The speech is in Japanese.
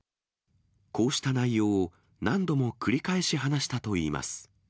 こうした内容を、何度も繰り返し話したといいます。